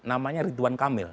namanya ridwan kamil